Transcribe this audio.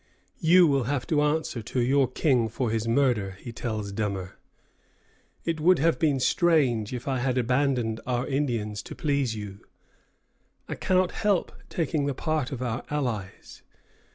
"You will have to answer to your king for his murder," he tells Dummer. "It would have been strange if I had abandoned our Indians to please you. I cannot help taking the part of our allies.